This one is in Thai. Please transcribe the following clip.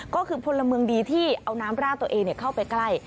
ก็คือพลเมืองดีที่เอาน้ำราดตัวเองเข้าไปใกล้